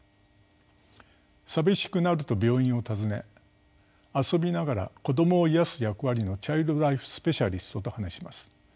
寂しくなると病院を訪ね遊びながら子供を癒やす役割のチャイルドライフスペシャリストと話します。